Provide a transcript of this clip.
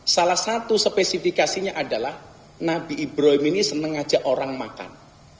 salah satu spesifikasinya adalah nabi ibrahim ini sengaja orang makan